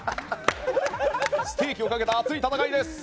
ステーキをかけた熱い戦いです。